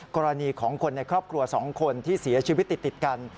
กรณีของคนในครอบครัว๒คนที่เสียชีวิตติดกัน